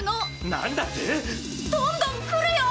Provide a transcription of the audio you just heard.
なんだって⁉どんどんくるよ！